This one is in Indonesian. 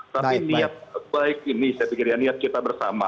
tapi niat baik ini saya pikir ya niat kita bersama